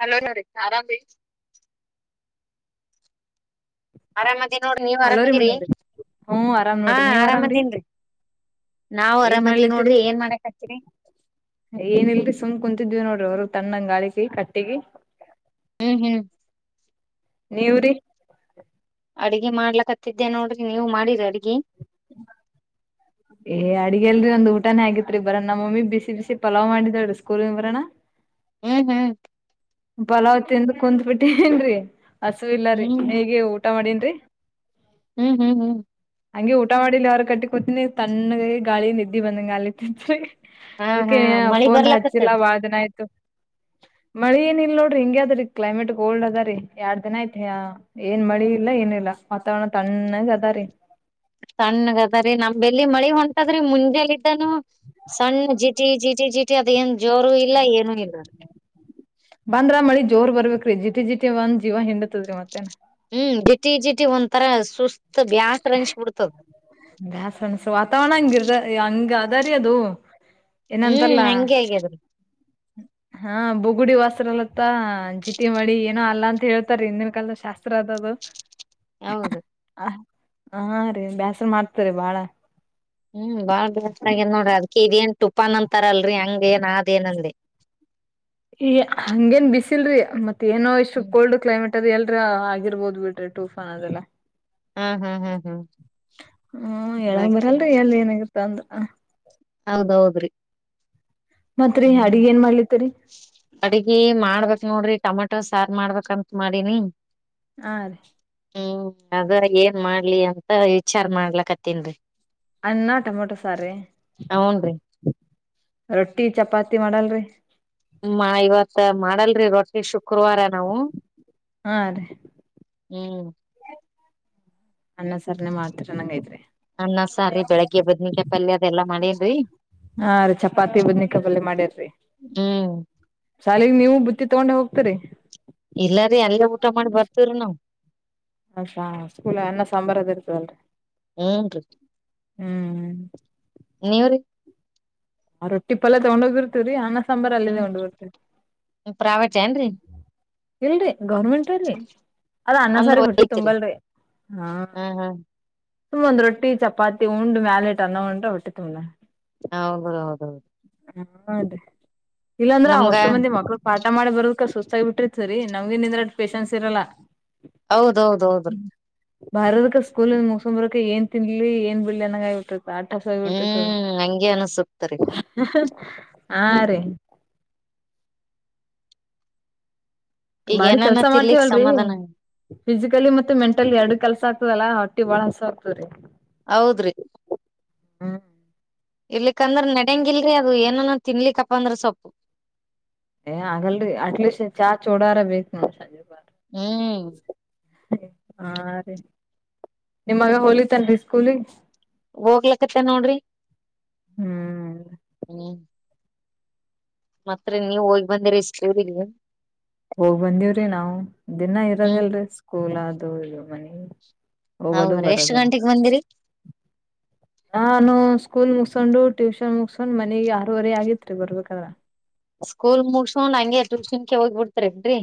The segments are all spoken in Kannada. ಹಲ್ಲೋನ ರೀ ಆರಾಮ ರೀ. [unintelligible] ಅರಾಮದಿನ್ ನೋಡ್ರಿ ನೀವ ಹಲೋ ರೀ ಅರಾಮದಿರಿ ಮೇಡಮ್ರೀ ಹ್ಮ್ ಆರಾಮ್ ಹಾ, ನೋಡ್ರಿ ನೀವ್ ಆರಾಮ್ರೀ ಆರಾಮದಿನ್ರಿ ನಾವು ಏನ್ ಆರಾಮದಿವ ನೋಡ್ರಿ ಏನ್ ಮಾಡಕತ್ತೀರಿ. ಏನ ಇಲ್ರಿ ಸುಮ್ ಕುಂತಿದ್ವಿ ನೋಡ್ರಿ ಅವರು ತಣ್ಣನ ಗಾಳಿಗಿ ಕಟ್ಟಿಗಿ. ಹ್ಮ್ ಹ್ಮ್ [inaudible] ನೀವ್ರಿ ಅಡ್ಗೆ ಮಾಡ್ಲಕತ್ತಿದ್ದೆ ನೋಡ್ರಿ ನೀವ್ ಮಾಡಿರಿ ಅಡ್ಗಿ. ಏಯ್ ಅಡಿಗೆಗೆಲ್ರೀ ನಂದು ಊಟಾನೇ ಆಗೆತ್ರಿ, ಬರನ ನಮ್ಮಮ್ಮಿ ಬಿಸಿ ಬಿಸಿ ಪಲಾವ್ ಮಾಡಿದಳ್ರಿಸ್ಕೂಲ್ ನಿಂದಬರನ. ಹ್ಮ್ ಹ್ಮ್ [inaudible] ಪಲಾವ ತಿಂದ ಕುಂತ್ ಬಿಟ್ಟಿನ್ರಿ ಹಸುವಿಲ್ಲಾರೀ ಹ್ಮ್ ಇನ್ನಾ ಈಗ ಊಟ ಮಾಡೇನ್ರಿ. ಹ್ಮ್, ಹ್ಮ್, ಹ್ಮ್ ಹಂಗೆ ಊಟ ಮಾಡಿ ಇಲ್ಲಿ ಯಾರ ಕಟ್ಟಿಗಿ ಕುಂತಿನಿ ತಣ್ಣಗ ಗಾಳಿ ನಿದ್ದಿ ಬಂದಂಗ ಆಗ್ಲತದ. ಹಾ ಹಾ ಅದಕ್ಕೆ ಮಳಿ ಫೋನ್ ಹಚ್ಚಿಲ್ಲ ಬರ್ಲಕತ್ತದ ಬಾಳ್ ದಿನ ಆಯ್ತು. ಮ ನೋಡ್ರಿ ಹಿಂಗ ಅದ್ರೀ ಕ್ಲೈಮೇಟ್ ಕೋಲ್ಡ್ ಅದ ರಿ ಎರಡ್ ದಿನ ಆಯ್ತು. ಏನ್ ಮಳಿ ಇಲ್ಲ ಏನಿಲ್ಲ ವಾತಾವರಣ ತಣ್ಣಾಗ ಅದಾರಿ. ತಣ್ಣಗ ಅದ ರೀ ನಮ್ಗ ಇಲ್ಲಿ ಮಳಿ ಹೊಂಟದ್ರಿ ಮುಂಜೆಲ್ಲಿದ್ದಾನು. ಸಣ್ಣ ಜಿಟಿ, ಜಿಟಿ, ಜಿಟಿ ಅದ ಏನ್ ಜೋರು ಇಲ್ಲ ಏನು ಇಲ್ಲ. ಬಂದ್ರ ಮಳಿ ಜೋರ್ ಬರ್ಬೇಕ್ರೀ ಜಿಟಿ, ಜಿಟಿ ಬಂದ ಜೀವ ಹಿಂಡತ್ರಿ ಮತ್ತೇನ್. ಹ್ಮ್, ಜಿಟಿ ಜಿಟಿ ಒಂದ ತರ ಸುಸ್ತ ಬ್ಯಾಸ್ ಅನ್ಸಿಬಿಡ್ತದ. ಬ್ಯಾಸ್ರ ಅನಸ ವಾತಾವರಣ ಹಂಗಿರ್ದತದ ಹಂಗ ಅದರಿ ಅದು. ಹ್ಮ್ ಏನಂತರಲ್ಲಾ ಹಂಗೆ ಆಗ್ಯದ್ರಿ ಹಾ ಬುಗುಡಿ ವಸ್ತ್ರಲ್ಲತ್ತ ಜಿಟಿ ಮಳಿ ಏನೋ ಅಲ್ಲಾ ಅಂತ ಹೇಳ್ತಾರ ಹಿಂದಿನ ಕಾಲದ ಶಾಸ್ತ್ರ ಅದದು. ಹೌದು. ಹ ಹಾ ರೀ ಬ್ಯಾಸರಾ ಮಾಡ್ತರಿ ಬಾಳ. ಹ್ಮ್ ಬಾಳ್ ಬ್ಯಾಸರ ಆಗೇ ನೋಡಿ ಅದಿಕ್ಕೇ ಇದೇನು ಟುಪನ್ ಅಂತಾರಲ್ರರಿ ಹಂಗ ಏನ್ ಆದ ಏನ ಅಂದೆ. ಈ ಹಂಗೇನ್ ಬಿಸಿಲ್ರಿ ಮತ್ತ ಏನೋ ಇಷ್ಟು ಹ್ಮ್ ಕೋಲ್ಡ್ ಕ್ಲೈಮೇಟ್. ಎಲ್ರ ಆಗಿರ್ಬೋದು ಬಿಡ್ರಿ ಟೂಫಾನ್ ಅದೆಲ್ಲ. ಹಾ ಹಾ ಹಾ ಹಾ ಹ್ಮ ಹೇಳಗ್ ಅದಕ್ಕೆ ಬರಲ್ರಿ ಎಲ್ ಏನಾಗಿತ್ತ ಅಂದ್ರ. ಹೌದೌದ್ರಿ. ಮತ್ರಿ ಅಡಿಗ್ ಏನ್ ಮಾಡ್ಲರಿ. ಅಡ್ಗಿ ಮಾಡ್ಬೇಕಕ್ ನೋಡ್ರಿಟಮೆಟೊ ಸಾರು ಮಾಡ್ಬೇಕಂತ ಮಾಡಿನಿ. ಆ ರೀ ಹ್ಮ್ ಅದ ಏನ್ ಮಾಡ್ಲಿ ಅಂತ ವಿಚಾರ ಮಾಡ್ಲಕ್ಕತ್ತನ್ರಿ. ಅನ್ನ ಟೊಮೊಟೊ ಸಾರೀ. ಹುನ್ರಿ ರೊಟ್ಟಿ ಚಪಾತಿ ಮಾಡಲ್ರಿ. ಇವತ್ ಮಾಡಲ್ರಿ ರೊಟ್ಟಿ ಶುಕ್ರವಾರ ನಾವು. ಹಾ ರೀ. ಹ್ಮ್ ಅನ್ನ ಸರ್ನೇ ಮಾಡ್ತೀನೀ ಹಾನಗೆ ಆಯ್ತು. ಅನ್ನ ಸಾರಿರಿ ಬೆಳಿಗ್ಗೆ ಬದ್ನಕಪಲ್ಲಿ ಅದೆಲ್ಲಾ ಮಾಡೇನ್ರಿ. ಹಾ ರೀ ಚಪಾತಿ ಬುದನಿ ಪಲ್ಯ ಮಾಡ್ಯಾರ್ರರಿ. ಹ್ಮ್ ಶಾಲೆಗೆ ನೀವು ಬುದುತ್ತಿ ತೊಗೊಂಡ್ ಹೋಗ್ತರಿ. ಇಲ್ಲಾರಿ ಅಲ್ಲೇ ಊಟ ಮಾಡಿ ಬರ್ವ್ರೀ ನಾವು ಸ್ಕೂಲ ಅನ್ನ ಸಾಂಬಾರದ ಇರ್ತದಲ್ರಿ ಹೂನ್ರಿ ಹ್ಮ್. ನೀವ್ರೀ. ಆ ರೊಟ್ಟಿ ಪಲ್ಯ ತೊಂಡೋಗಿರ್ತತ್ರಿ ಹಾ. ಸಾಂಬರ್ ಅಲ್ಲ ಹ್ಮ್ ಹೊಡಬರ್ತ ಪ್ರೈವೇಟ್ ಏನ್ರಿ ಇಲ್ರಿ ಗೌರ್ಮೆಂಟ್ ಅಲ್ಲಿ. ಅದ ಅನ್ನ ಸಾರಿ ಅಂದ್ರ ಹೊಟ್ಟಿ ಐತ್ರಿ ತುಂಬಲ್ರಿ ಹಾ ಹ್ಮ್ ಹ್ಮ್ ಹು ಒಂದ ರೊಟ್ಟಿ ಚಪಾತಿ ಉಂಡ್ ಮ್ಯಾಲೆಟ್ ಅನ್ನ ಉಡ್ರೆ ಹೊಟ್ಟಿ ತುಂಬುತೆ. ಹೌದು ಹೌದೌದು. ಹ ಅದರಿ ಇಲ್ಲಾಂದ್ರ ನಮ್ಗ ಅಷ್ಟು ಮಂದಿ ಮಕ್ಳು. ಪಾಠ ಮಾಡಿ ಬರದಕ ಸುಸ್ತಾಗಿ ಬಿಟ್ಟಿತ್ರಿ ನಮ್ಗೆನ್ಂದ್ರಷ್ಟ ಪೇಶನ್ಸ್ ಇರಲ್ಲ. ಹೌದೌದೌದರಿ ಬರೋದಕ ಸ್ಕೂಲ್ ಮುಗಸೊಂಡಂಬರಕ ಏನ್ ತಿನ್ಲಿ ಏನ್ ಬಿಡ್ಲಿ ಅನಗ ಆಗತಿ ಹ್ಮ್ ಹಂಗೆ ಅನ್ಸುತ್ತರಿ [unintelligible] ಹ್ಮ್ ಹರೀ ಈಗ ಬರೀ ಏನಾನ ಕೆಲ್ಸ ತಿನ್ಲಿಕ್ ಮಾಡ್ತೀವಲ್ರರಿ. ಸಮಾಧಾನ ಇಲ್ಲ. ಫಿಸಿಕಲಿ ಮತ್ತ ಮೆಂಟಲ್ ಎರಡು ಕೆಲ್ಸ ಆಗ್ತದಲ್ಲ ಹೊಟ್ಟಿ ಬಾಳ ಹಾಸಿ ಆಗ್ತದ್ರೀ ಹೌದ್ರಿ. ಹ್ಮ್ ಇರ್ಲಿಕ್ಕಂದ್ರ ನಡಂಗಿಲ್ರಿ ಅದು ಏನನ ತಿನ್ಲಿಕ್ಕಪ್ಪ ಅಂದ್ರ ಸೊಪ್ಪು. ಏ ಆಗಲ್ರಿ ಅಟ್ಲೀಸ್ಟ್ ಚೂಡಾರ ಆದ್ರು ಬೇಕು. ಹ್ಮ್ ಹಾ ರೀ ನಿಮ್ಮಗ ಹೋಲಿತನ್ರಿ ಸ್ಕೂಲಿಗೆ. ಹೋಗ್ಲಕ್ಕತ್ತನ ನೋಡ್ರಿ ಹ್ಮ್ ಹ್ಮ್ ಮತ್ರಿ ನೀವು ಹೋಗಿ ಬಂದಿರಿ ಸ್ಕೂಲ್ ಗೆ ಹೋಗ್ ಬಂದೀವ್ರಿ ನಾವು ದಿನಾ ಹ್ಮ್ ಇರೋದಲ್ರಿ ಸ್ಕೂಲ್ ಅದು ಇದು ಮನಿ ಹೋಗೋದು ಹೌದ್ರೀ ಎಷ್ಟ್ ಬರೋದು ಗಂಟೆಗೆ ಬಂದಿರಿ ನಾನು ಸ್ಕೂಲ್ ಮುಗಸೊಂಡು ಟ್ಯೂಷನ್ ಮುಗಸಕೊಂಡ್ ಮನಿಗ್ ಆರೂವರೆ ಆಗಿತ್ರಿ ಬರ್ಬೇಕಾದ್ರ ಸ್ಕೂಲ್ ಮುಗಸೋನ್ಡ ಹಂಗೆ ಟ್ಯೂಷನ್ ಕ ಹೋಗ್ಬಿ ಬಿಡ್ತಾರೇನ್ರರಿ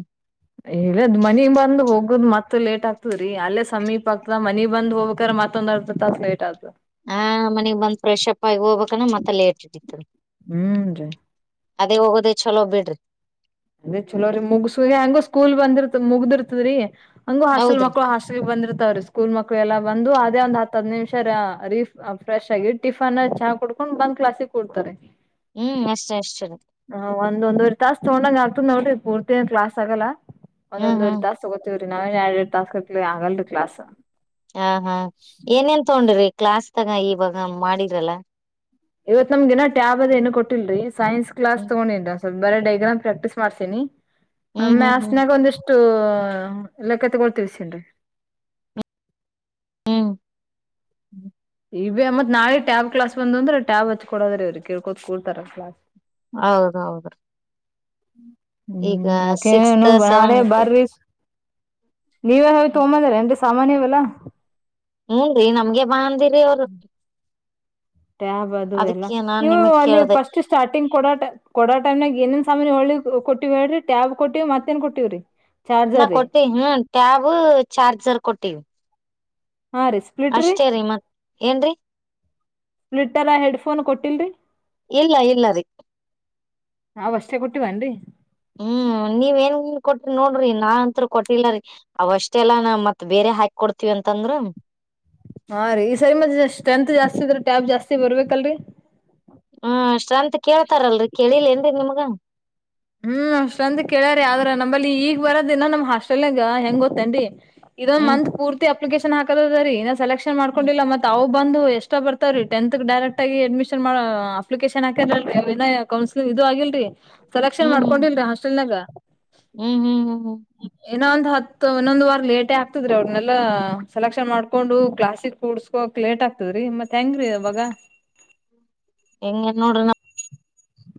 ಇಲ್ಲದ್ ಮನಿಗ್ ಬಂದ್ ಹೋಗದ್ ಮತ್ ಲೇಟ್ ಆಗ್ತದ್ರೀ ಅಲ್ಲೇ ಸಮೀಪ ಆಗ್ತ ಮನಿ ಬಂದ ಹೋಗ್ಬೇಕ್ರ ಮತ್ತೊಂದ ಹತ ತಾಸ ಲೇಟ ಆ ಹಾ ಮನಗ್ ಬಂದ್ ಫ್ರೆಶ್ ಅಪ್ ಆಗಿ ಹೋಗ್ಬೇಕಾನ ಮತ್ತ ಲೇಟ್ ಹಿಡಿತ್ತದ ಹ್ಮನ್ರಿ ಅದೇ ಹೋಗೋದೇ ಚಲೋ ಬಿಡ್ರಿ ಅದೇ ಚಲೋ ರೀ ಮುಗಸ ಹಂಗ ಸ್ಕೂಲ್ ಬಂದಿರ್ತ ಮುಗ್ದಿರ್ತದ್ರೀ ಹಂಗ ಹಾಸ್ಟೆಲ್ ಹೌದ್ರಿ ಮಕ್ಕಳು ಹಾಸ್ಟಲ್ ಬಂದಿರ್ತಾವ್ರೀ ಸ್ಕೂಲ್ ಮಕ್ಕಳು ಎಲ್ಲ ಬಂದು ಅದೇ ಒಂದ ಹ್ ನಿಮಿಷೀಫ ಫ್ರೆಶ್ ಆಗಿ ಟಿಫನ್ ಚಾ ಕುಡ್ಕೊಂಡು ಬಂದ್ ಕ್ಲಾಸಿಗೆ ಕುಡ್ತಾರಿ ಹ್ಮ್ ಅಷ್ಟೇ ಅಷ್ಟೇ ಹ ಒಂದಂದುವರೆ ತಾಸ್ ತಗೊಂಡಂಗ ಆಗ್ತದ್ ನೋಡ್ರಿ ಪೂರ್ತಿ ಕ್ಲಾಸ್ ಆಗಲ್ಲ ಹ್ಮ್ ಒಂದೊಂದ್ ವರೇ ಹ್ಮ್ ತಾಸ ತಗೋತೀವ್ರೀ ನಾವೇನ್ ಎರಡ್ ಎರಡ್ ತಾಸ ಗಟಲೇ ಆಗಲ್ರಿ ಕ್ಲಾಸ್ ಹ ಹಾ ಏನೇನ್ ತಗೊಂಡ್ರಿ ಕ್ಲಾಸ್ ತಗ ಇವಾಗ ಮಾಡಿದ್ರಲ್ಲ ಇವತ್ ನಮ್ಗೆಏನ ಟ್ಯಾಬ್ ಅದ ಏನು ಕೊಟ್ಟಲ್ರಿ ಸೈನ್ಸ್ ಕ್ಲಾಸ್ ಹ್ಮ್ ತಗೊಂಡಿದ್ರ ಸ್ವಲ್ಪ ಬರೇ ಡೈಗ್ರಾಮ್ ಪ್ರಾಕ್ಟೀಸ್ ಮಾಡಸಿನಿ ಹ ಆ ಮ್ಯಾತ್ಸನಾಗ ಒಂದಿಷ್ಟು ಲೆಕ್ಕ ತಗೊಳ್ ತಿಳಿಸಿರಿ ಹ್ಮ್ ಈ ಮತ್ ನಾಳೆ ಟ್ಯಾಬ್ ಕ್ಲಾಸ್ ಬಂದ ಅಂದ್ರೆ ಟ್ಯಾಬ್ ಹಚ್ ಕೊಡೋರೆ ಇವರು ಕೆಳ್ಕೋತ ಕೂರ್ತಾರ ಕ್ಲಾಸ್ ಹೌದ್ ಹೌದ್ರೀ ಹ್ಮ್ ಸಿಕ್ಸ್ತ್ ರಾಕೆನು ಬಡ ಸೆವೆಂತ್ ಬಾರ [unintelligible] ನೀವೇ ಹೇಳಿ ತಗೊಬಂದರಿ ಅನ್ ಸಾಮಾನ ಇವೆಲ್ಲಾ ಹೂನ್ ರಿ ನಮ್ಗೆ ಬಾ ಅಂದ ಟ್ಯಾಬ್ ಅದು ಎಲ್ಲ ಅದಕ್ಕೆ ನಾನ್ ನೀವು ನಿಮಗ್ ಅಲ್ಲಿ ಕೇಳ್ದ ಫಸ್ಟ್ ಸ್ಟಾರ್ಟಿಂಗ್ ಕೋಡ ಟೈಮ್ ಕೊಡೋ ಟೈಮ್ ನಾಗ ಏನೇನ್ ಸಾಮಾನ್ ಹೋಳ್ಳಿ ಕೊಟ್ಟಿವ್ ಹೇಳ್ರಿ ಟ್ಯಾಬ್ ಕೊಟ್ಟಿವ್ ಮತ್ತೇಏನ್ ಕೊಟ್ಟಿವ್ರಿ ನಾ ಚಾರ್ಜರ್ ರೀ ಕೊಟ್ಟೀನ ಹ್ಮ ಟ್ಯಾಬ್ ಚಾರ್ಜರ್ ಕೊಟ್ಟಿವಿ ಹಾ ರಿ ಸ್ಪ್ಲಿಟ್ರಿ ಏನ್ರಿ ಟರ ಹೆಡ್ ಫೋನ್ ಕೊಟ್ಟಿಲ್ರಿ ಇಲ್ಲ ಇಲ್ಲ ರೀ ನಾವಷ್ಟೇ ಕೊಟ್ಟಿವೀನರಿ ಹ್ಮ್ ನೀವ ಏನ್ ನ್ ಕೊಟ್ರಿ ನೋಡ್ರಿ ನಾನ್ತ್ ಕೊಟಿಲ್ಲರಿ ಅವಷ್ಟೆಲ್ಲ ನಾವ ಮತ್ ಬೇರೆ ಹಾಕ್ ಕೊಡ್ತಿವಿ ಅಂತಂದ್ರ ಹಾ ರೀ ಈ ಸರಿ ಮ ಸ್ಟ್ರೆಂತ್ ಜಾಸ್ತಿ ಇದ್ರ ಟ್ಯಾಬ್ ಜಾಸ್ತಿ ಬರ್ಬೇಕಲ್ರರಿ ಹ್ಮ ಸ್ಟ್ರೆಂತ್ ಕೇಳ್ತಾರಲ್ರರಿ ಕೇಳಿಲ್ಲ ನ್ರಿ ನಿಮ್ಗ ಹ್ಮ್ ಸ್ಟ್ರೆಂತ್ ಕೇಳ್ಯಾರಿ ಆದ್ರ ನಂಬಲ್ಲಿ ಈಗ್ ಬರೋ ದಿನ ನಮ್ ಹಾಸ್ಟೆಲ್ ಹೆಂಗ ಗೊತ್ತೇನ್ರಿ ಇದೊಂದು ಹ್ಮ್ ಮಂತ್ ಪೂರ್ತಿ ಅಪ್ಲಿಕೇಶನ್ ಹಾಕದ ಅದರಿ ಸೆಲೆಕ್ಷನ್ ಮಾಡ್ಕೊಂಡಿಲ್ಲ ಮತ್ ಬಂದು ಎಷ್ಟ ಬರ್ತಾವ್ರೀ ಟೇನ್ತ ಕೈ ಡೈರೆಕ್ಟ್ ಆಗಿ ಅಡ್ಮಿಷನ್ ಮಾಡ ಅಪ್ಲಿಕೇಶನ್ ಹಾಕಾರಲರೀಅನ್ ಇನ ಕೌನ್ಸ್ ಲಿಂಗ್ ಇದು ಆಗಿಲ್ರರಿ ಸೆಲೆಕ್ಷನ್ ಹ್ಮ್ ಹ್ಮ್ ಮಾಡ್ಕೊಂಡಿಲ್ರರಿ ಹಾಸ್ಟೆಲ್ನಾಗ ಹ್ಮ್ ಹ್ಮ್ ಹ್ಮ್ ಹ್ಮ್ ಏನ ಒಂದ್ ಹತ್ತು ಇನ್ನೊಂದ್ ವಾರ ಲೇಟೇ ಆಗ್ತದ್ರಿ ಅವ್ರನೆೆಲ್ಲಾ ಸೆಲೆಕ್ಷನ್ ಮಾಡ್ಕೊಂಡು ಕ್ಲಾಸಿಗ ಕೂಡ್ಸ್ಕೋಕ್ ಲೇಟ್ ಆಗ್ತದ್ರೀ ಮತ್ ಹೆಂಗ್ರೀ ಇವಾಗ ಹೆಂಗೆ ನೋಡ್ರಿ ನ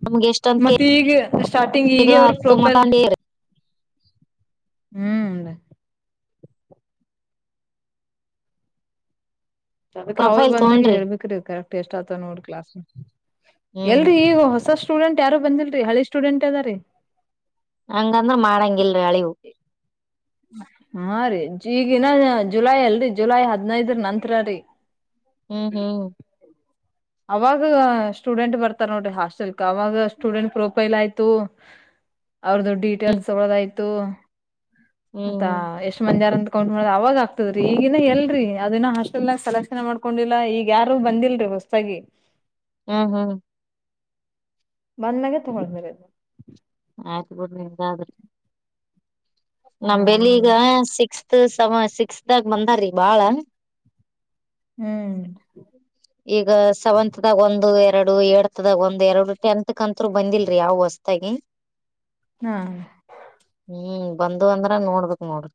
ನಮಗೆ ಇಷ್ಟ ಮತ್ತ ಈಗ ಸ್ಟಾರ್ಟಿಂಗ್ ಈಗ ಅವ್ರ ಪ್ರೊಪೈಲ್ ಮಕಂಡಿರಿ ಹ್ಮ್ ಅದಕ್ಕೆ ಅವರು ಪ್ರೊಫೈಲ್ ಬಂದ್ಮ್ಯೆ ತಗೊಂಡ್ರಿ ಹೇಳ್ಬೇಕ್ರೀ ಕರೆಕ್ಟ್ ಎಷ್ಟ ಆತ ನೋಡ್ ಕ್ಲಾಸ್ ಹ್ಮ್ ಎಲ್ರಿ ಹ್ಮ್ ಈಗ ಹೊಸಷ್ಟು. ಸ್ಟೂಡೆಂಟ್ ಯಾರು ಬಂದಿಲ್ರಿ ಹಳೆ ಸೂಡೆಂಟ್ದ ಆದರಿ. ಹಂಗಂದ್ರ ಮಾಡಂಗಿಲ್ರ ಹಳೇವು [inaudible] ಹಾ ರೀ ಈಗಿನ ಜುಲೈ ಅಲ್ರರಿ ಜುಲೈ ಹದಿನೈದು ನಂತ್ರರೀ ಹ್ಮ್ ಹ್ಮ್ ಅವಾಗ ಸ್ಟೂಡೆಂಟ್ ಬರ್ತಾರ ನೋಡ್ರಿ ಹಾಸ್ಟೆಲ್ಕ್ ಅವಾಗ ಸ್ಟೂಡೆಂಟ್ ಪ್ರೊಫೈಲ್ ಆಯ್ತು. ಅವ್ರದ್ದ ಡೀಟೇಲ್ಸ್ ತಳದಾಯ್ತು ಹ್ಮ್ ಮತ್ತ ಎಷ್ಟ ಮಂದಿ ಅದರಂತ ಮಾಡ ಅವವಾಗ ಆಗ್ತದ್ರೀ ಈಗಿನ ಎಲ್ರರಿ ಅದನ್ನ ಹಾಸ್ಟೆಲ್ ನಾಗ ಸೆಲೆಕ್ಷನ್ ಮಾಡ್ಕೊಂಡಿಲ್ಲ ಈಗ ಯಾರು ಬಂದಲ್ರಿ. ಹೊಸದಾಗಿ. ಹ್ಮ್ ಹ್ಮ್ ಬಂದಾಗೆ ತೊಗೊಳ್ಬೇರ ಅದು. ಆಯ್ತ ಬಿಡು ನಮ್ ಬೆಲಿ ಹ್ಮ್ ಈಗ ಸಿಕ್ಸ್ತ್ ಸಿಕ್ಸ್ತ ಗಾ ಬಂದಾರೀ ಬಾಳ. ಹ್ಮ್ [inaudible] ಈಗ ಸೆವೆಂತ್ದಾಗ ಒಂದು ಎರಡು ಏತ್ದಾಗ ಒಂದು ಎರಡು ಟೆಂತ್ ಕಂತರು ಬಂದಿಲ್ರರಿ ಯಾವ್ ಹೊಸತಾಗಿ [inaudible] ಹಾ ಹ್ಮ್ ಬಂದ ಅಂದ್ರ ನೋಡ್ಬೇಕಕ್ ನೋಡ್ರಿ.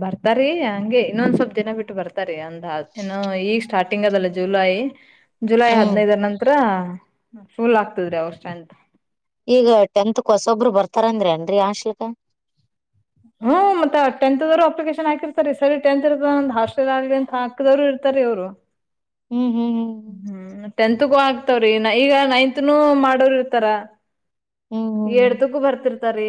ಬರ್ತಾರಿ ಹಂಗೆ ಇನ್ನೊಂದ್ ಸ್ವಲ್ಪ್ ದಿನ ಬಿಟ್ಟು ಬರ್ತಾರ ಅಂದ ಏ ಈಗ ಸ್ಟಾರ್ಟ್. ಟಿಂಗಲ್ಲ ಜುಲೈ ಜುಲೈ ಹ್ಮ್ ಹದಿನೈದು ನಂತರ ಫೂಲ್ ಆಗ್ತದ್ರಿ ಸ್ತ್ರೀಡೆಂತ್ ಅಂತ ಈಗ ಟೆಂತ್ಕ್ ಹೊಸೊಬ್ಬರು ಬರ್ತಾರನ್ರೀ ಹಾಸ್ಟೆಲ್ ಗಾ ಹ್ಮ್ ಮತ್ತೆ ಟಂತ್ತದ್ದರ ಅಪ್ಲಿಕೇಶನ್ ಹಾಕಿರತರ ಈ ಸರಿ ಟೆಂತ್ ದರ್ ಹಾಸ್ಟೆಲ್ ಆಗಲಿ ಅಂತ ಹಾ. ಪಕ್ಕದವರು ಇರ್ತಾರೆವ್ರು. ಹ್ಮ್ ಹ್ಮ್ ಹ್ಮ್ ಹ್ಮ್ ಹೂಂ ಟೆಂತ್ಗೂ ಆಗ್ತವ್ರಿ ಈಗ ನವಂತನು ಮಾಡೋರ್ ಇರ್ತಾರ. ಹ್ಮ್ ಹ್ಮ್ ಹ್ಮ್ ಏಡ್ತಕ್ಕೂ ಬರ್ತಿರ್ತಾರೀ.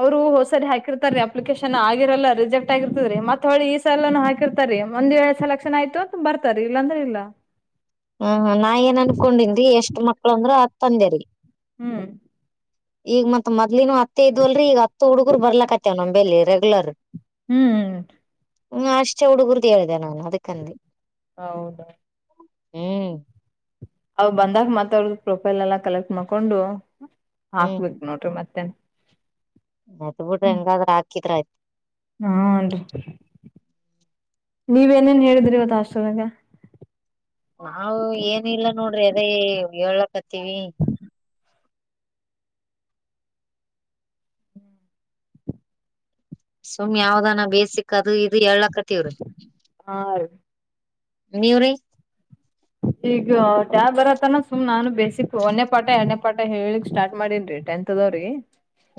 ಅವ್ರು ಹೊಸರಿ ಹಾಕಿರ್ತ ರೀ ಅಪ್ಲಿಕೇಶನ್ ಆಗಿರಲ್ಲ ರಿಜೆಕ್ಟ್ ಆಗಿರ್ತದ್ರ ಮತ್ತ ಈ ಸಲ ಹೊಳ್ಳಿ. ಎಲ್ಲ ಹಾಕಿರ್ತಾರೆ ಒಂದ್ ವೇಳೆ ಸಲೆಕ್ಷನ್ ಆಯತು ಅ ಬರ್ತಾರೆ ಇಲ್ಲಾಂದ್ರೆ ಇಲ್ಲ ಹ್ಮ್ ನಾ ಏನ್ ಅನ್ಕೊಂಡೆರಿ ಎಷ್ಟ ಮಕ್ಕಳಂದ್ರು ಹತ್ತು ಅಂದೇರಿ ಹ್ಮ್ ಈಗ ಮತ್ ಮೊದ್ಲಿನನು ಹತ್ತ ಇದ್ವಲ್ರೀ ಈಗ ಹತ್ತು ಹುಗರು ಬರ್ಲಕ್ತ್ತವ್ ನಮಲ್ಲಿ ರೆಗ್ಯುಲರ್ ಹ್ಮ್ ಹ್ಮ ಅಷ್ಟೇ ಹುಡುಗರಿಗೆ ಹೇಳಿದೆ ನಾನ್ ಅದಿಕ್ಕಂದಿ. ಹೌದಾ ಹ್ಮ್ ಅವ್ ಬಂದಾಗ ಮತ್ತ ಅವ್ರ್ದ ಪ್ರೊಫೈಲ್ ಎಲ್ಲ ಕಲೆಕ್ಟ್ ಮಾಡ್ಕೊಂಡು ಹ್ಮ್ ಹಾಕ್ಬೇಕ ನೋಡ್ರಿ ಮತ್ತೆ. ಟೆಂತ್ತರದು ಹೆಂಗಾದ್ರ ಹಾಕಿದ್ರ ಆಯ್ತ್. ಹನ್ರಿ ನೀವು ಏನೆನ್ ಹೇಳಿದ್ರಿ ಇವತ್ ಹಾಸ್ಟೆಲ್ ದಾಗ. ನಾವು ಏನಲ್ಲ ನೋಡ್ರಿ ಅದೇ ಹೆಳಕತ್ತವಿ ಸುಮ್ ಯಾವ್ದಾನ ಬೇಸಿಕ್ ಅದು ಇದು ಹೇಳ್ಲಕತವ್ರೀ. ಹಾ ರೀ ನೀವ್ರಿ ಈಗ ಜಾಬ್ ಬರತ್ತನ ಸುಮ್ ನಾನು ಬೇಸಿಕ್ ಒಂದನೇ ಪಾಠ, ಎರಡನೇ ಪಾಠ ಹೇಳಿಕ್ ಸ್ಟಾರ್ಟ್ ಮಾಡಿನ್ರಿ ಟೆಂತ್. ಇರತಾವರಿ [inaudible]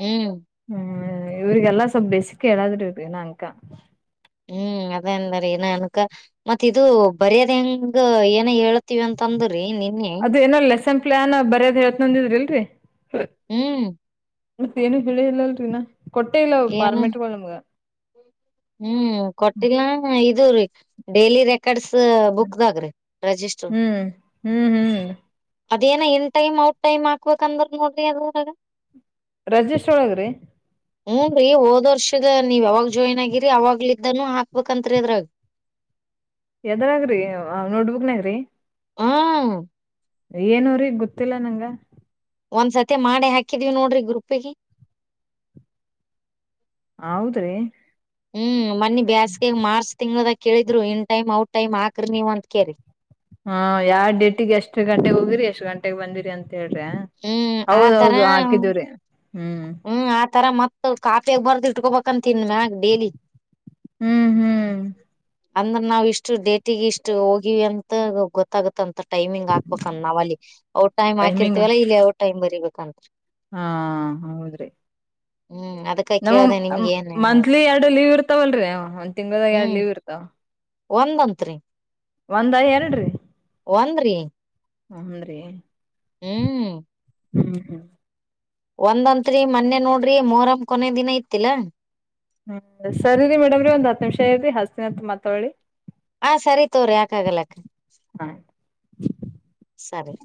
ಹ್ಮ್ ಹ್ಮ್, ಇವ್ರಿಗೆಲ್ಲ ಸ್ವಲ್ಪ ಬೇಸಿಕೆ ಅದರಿ ಇವರಿಗಿ ಇನ್ನಾ ಅಂಕಾ ಹ್ಮ್, ಅದೆ ಅಂದರಿ ಈ ಇನ್ನಾ ಅನ್ಕಾ ಮತ್ ಇದು ಬರೆದ ಹೆಂಗ ಏನ ಹೇಳ್ತಿವಿ ಅಂತಂದ್ರಿ ನಿನ್ನೆ. ಅದ ಏನ ಲೆಸ್ಸೆನ್ ಪ್ಲಾನ್ ಬರೆದ್ ಹೇಳ್ತಿನಂದಿದ್ರಿಲ್ರಿ ಹೂಂ [inaudible] ಮತ್ತೇಏನು ಹೇಳಿಲಲ್ಲಡ್ರಿ ಇನ್ನಾ ಕೊಟ್ಟೆ ಇಲ್ಲ ಏನ ಪಾರ್ಮೆಟಗಳು ನಮ್ಗ. ಹ್ಮ್, ಕೊಟ್ಟಿಲ್ಲ ನು ಇದುರಿ ಡೈಲಿ ರೆಕಾರ್ಡ್ಸ್ ಬುಕ್ದಾಗ್ ರಿರೆಜಿಸ್ಟರ್ ಹ್ಮ್ ಹ್ಮ್ ಹ್ಮ್ ಅದೇನ ಇನ್ ಟೈಮ್ ಔಟ್ ಟೈಮ್ ಮಾಡಬೆಕ್ಂದ್ರ ನೋಡ್ರಿ ಅದ್ರಾ ಗ ರಜಿಸ್ಟರ್ ಒಳಗ ರೀ ಹ್ಮ್, ರೀ ಹೋದ ವರ್ಷದ ನೀವ ಯಾವಾಗ ಜಾಯ್ನ್ ಆಗಿರಿ ಅವಾಗ್ಲಿದ್ದಾನೂ ಹಾಕ್ಬೇಕಂತ್ರಿ ಅದ್ರಾಗ. ಎದ್ರಾಗ್ರಿ ನೋಟ್ಬುಕ್ ನಗ್ರಿ ಹ್ಹ [inaudible] ಏನೋರಿ ಗೊತ್ತಿಲ್ಲ ನಂಗ ಒಂದ ಸತಿ ಮಾಡಿ ಹಾಕಿದೀವಿ ನೋಡ್ರಿ ಗ್ರೂಪಿಗಿ ಹೌದ್ರಿ ಹ್ಮ್, ಮನ್ನಿ ಬೇಸ್ಗೆಗ ಮಾರ್ಚ್ ತಿಂಗಳದಾಗ ಕೇಳಿದ್ರು ಇನ್ ಟೈಮ್, ಔಟ್ ಟೈಮ್ ಆಕ್ರಿ ನೀವು ಅಂತ ಕೆರಿ. ಹಾ, ಯಾವ ಡ್ಯೂಟಿಗೆ ಎಷ್ಟ್ ಗಂಟೆಗೆ ಹೋಗಿರಿ, ಎಷ್ಟ್ ಗಂಟೆಗೆ ಬಂದಿರಿ ಅಂತ ಹೇಳಿರ್ಯಾ. ಹ್ಮ್ ಆತರ ಹೌದೌದು, ಹಾಕಿದೀವ್ರೀ ಹ್ಮ್, ಆತರ ಮತ್ ಕಾಫಿಯಾಗ ಬರ್ದು ಇಟ್ಕೊಬೇಕಂತ ಇನ್ಮ್ಯಾಗ ಡೇಲಿ. ಹು ಹು [inaudible] ಅಂದ್ರ ನಾವು ಇಷ್ಟು ಡೇಟಿಗೆ ಇಷ್ಟು ಹೋಗಿವ ಅಂತ ಗೊತ್ತಾಗತ್ತಂತ. ಟೈಮಿಂಗ್ ಹಾಕ್ಬೇಕ ನಾವ ಅಲ್ಲಿ ಔಟ್ ಟೈಮ್ ಟೈಮಿಂಗ್ ಹಾಕಿರ್ತವಲ್ಲ, ಇಲ್ಲಿ ಔಟ್ ಟೈಮ್ ಬರಿಬೇಕಂತ. ಹಾ, ಹೌದ್ರಿ ಹ್ಮ್ ಅದಕ್ಕೆ [unintelligible] ನಮ್ ಮಂತ್ಲಿ ಎರಡು ಲೀವ್ ಇರ್ತಾವಲ್ರಿ ಒಂದ್ ತಿಂಗಳಾದಾಗ ಎರಡ್ ಹ್ಮ್ ಲೀವ್ ಇರ್ತಾವ ಒಂದಂತ್ರಿ [unintelligible] ಒಂದ ಎರಡ್ರೀ ಒಂದ್ರಿ ಹನ್ ರೀ [unintelligible] ಹ್ಮ್ ಹ್ಮ್ ಹ್ಮ್ [inaudible] ಒಂದಂತ್ರಿ ಮೊನ್ನೆ ನೋಡ್ರಿ ಮೊಹರಂ ಕೊನೆ ದಿನ ಇತ್ತಿಲ್ಲಾ ಹ್ಮ್, ಸರಿರಿ ಮೇಡಮ್ರಿ ಒಂದ್ ಹತ್ತು ನಿಮಿಷ ಏರಿ ಹಸ್ತಿನ ಮತ್ ವಳ್ಳಿ. ಹಾ, ಸರಿ ತೋಗರಿ ಯಾಕ ಆಗಲಕ್ಕ ಹಾ ಸರಿ